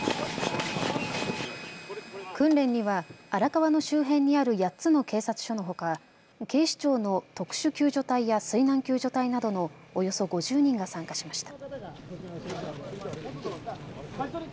訓練には荒川の周辺にある８つの警察署のほか、警視庁の特殊救助隊や水難救助隊などのおよそ５０人が参加しました。